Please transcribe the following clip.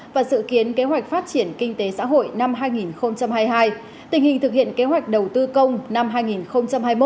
và sự kiến kế hoạch phát triển kinh tế xã hội năm hai nghìn hai mươi hai tình hình thực hiện kế hoạch đầu tư công năm hai nghìn hai mươi một